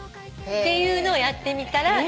っていうのをやってみたら。